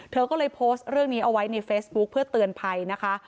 เธอก็เลยโพสต์เรื่องนี้เอาไว้ในเฟซบุ๊คเพื่อเตือนภัยนะคะ